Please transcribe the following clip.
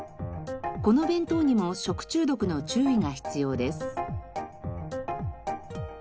この弁当にも食中毒の注意が必要です。